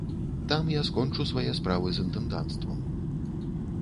Там я скончу свае справы з інтэнданцтвам.